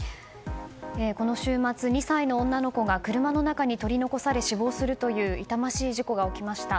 この週末、２歳の女の子が車の中に取り残され死亡するという痛ましい事故が起きました。